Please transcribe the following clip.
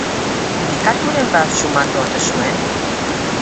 Bekaturen bat susmatu ote zuen?